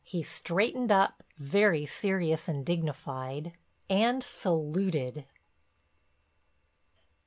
He straightened up, very serious and dignified, and saluted.